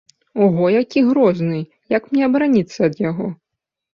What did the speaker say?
Ого, які грозны, як мне абараніцца ад яго?